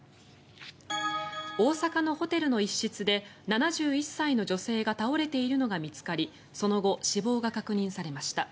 大阪のホテルの一室で７１歳の女性が倒れているのが見つかりその後、死亡が確認されました。